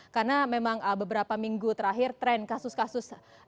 karena memang beberapa minggu terakhir tren kasus kasus